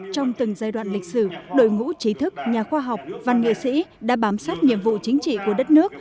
trong từng giai đoạn lịch sử đội ngũ trí thức nhà khoa học văn nghệ sĩ đã bám sát nhiệm vụ chính trị của đất nước